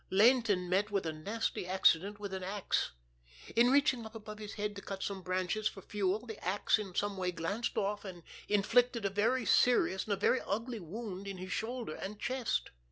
Laynton met with a nasty accident with an axe. In reaching up above his head to cut some branches for fuel, the axe in some way glanced off and inflicted a very serious and a very ugly wound in his shoulder and chest.